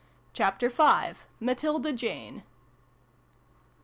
CHAPTER V. MATILDA JANE.